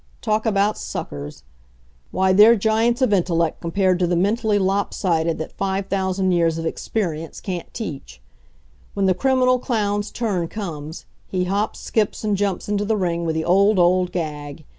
Talk about suckers! Why, they're giants of intellect compared to the mentally lop sided that five thousand years of experience can't teach. When the criminal clown's turn comes, he hops, skips and jumps into the ring with the old, old gag.